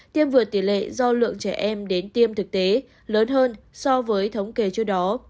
tiêm vượt tỷ lệ do lượng trẻ em đến tiêm thực tế lớn hơn so với thống kê trước đó